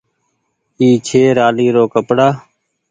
اي ڇي رآلي رو ڪپڙآ۔